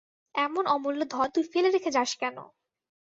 এমন অমুল্য ধন তুই ফেলে রেখে যাস কেন?